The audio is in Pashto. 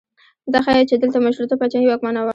دا ښیي چې دلته مشروطه پاچاهي واکمنه وه.